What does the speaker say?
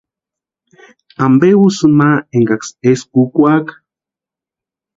¿Ampe úsïni ma enkaksï eskwa úkwaaka?